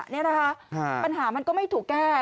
นี่นะคะปัญหามันก็ไม่ถูกแก้